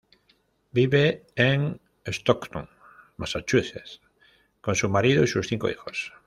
Vive en Stoughton, Massachusetts con su marido y sus cinco hijos.